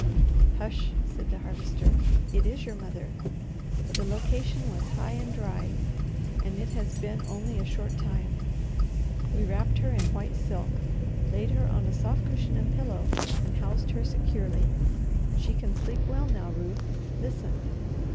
"Sush!" said the Harvester. "It is your mother. The location was high and dry, and it has been only a short time. We wrapped her in white silk, laid her on a soft cushion and pillow, and housed her securely. She can sleep well now, Ruth. Listen!"